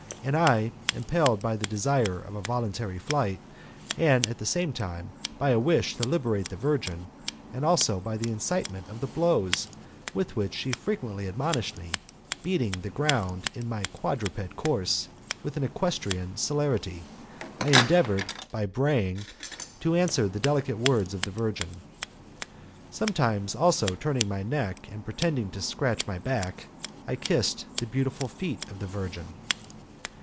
And I, impelled by the desire of a voluntary flight, and, at the same time, by a wish to liberate the virgin, and also by the in citement of the blows with which she frequently admonished me, beating the ground, in my quadruped course, with an eques trian celerity, I endeavoured, by hraying, to answer the delicate words of the virgin. Sometimes, also, turning my neck, and pretending to scratch my back, I kissed the beautiful feet of the virgin.